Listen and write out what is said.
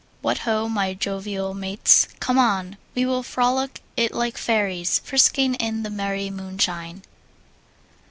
What ho, my jovial mates. Come on! We will frolic it like fairies, frisking in the merry moonshine.